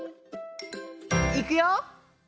いくよ！